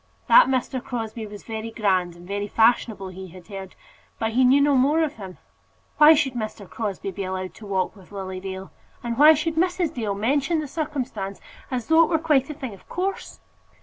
That Mr. Crosbie was very grand and very fashionable he had heard, but he knew no more of him. Why should Mr. Crosbie be allowed to walk with Lily Dale? And why should Mrs. Dale mention the circumstance as though it were quite a thing of course?